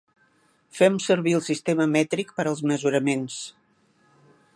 Fem servir el sistema mètric per als mesuraments.